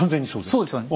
そうですよね。